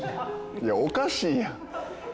いやおかしいやん。